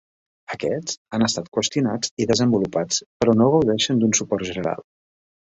Aquests han estat qüestionats i desenvolupats però no gaudeixen d'un suport general.